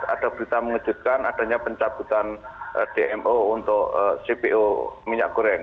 ada berita mengejutkan adanya pencabutan dmo untuk cpo minyak goreng